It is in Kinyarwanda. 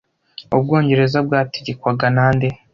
Ubwongereza bwategekwaga na nde